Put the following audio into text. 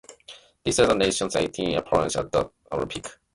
This was the nation's eighteenth appearance at the Summer Olympics.